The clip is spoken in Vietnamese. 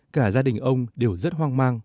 cả gia đình ông đều rất hoang mang